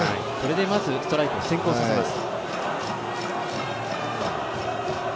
まずストライクを先行させます。